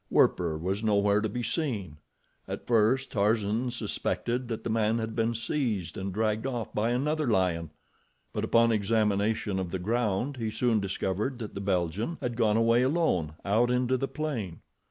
Werper was nowhere to be seen. At first Tarzan suspected that the man had been seized and dragged off by another lion, but upon examination of the ground he soon discovered that the Belgian had gone away alone out into the plain.